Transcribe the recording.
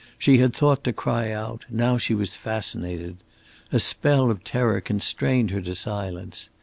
She had thought to cry out, now she was fascinated. A spell of terror constrained her to silence.